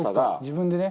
自分でね。